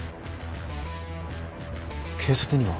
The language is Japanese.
警察には？